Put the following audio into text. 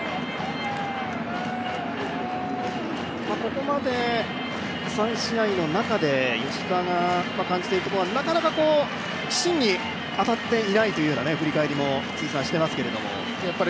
ここまで３試合の中で吉田が感じているところはなかなか芯に当たっていないというような振り返りもしていますけれども。